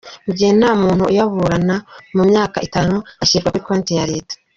Mu gihe nta muntu uyaburana mu myaka itanu, ashyirwa kuri konti ya leta.